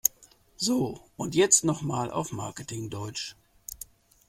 So, und jetzt noch mal auf Marketing-Deutsch!